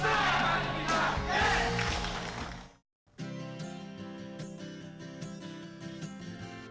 sekarang saya akan menerima perubahan anda